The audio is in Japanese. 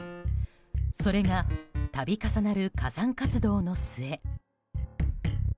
それが度重なる火山活動の末。